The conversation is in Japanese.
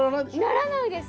ならないです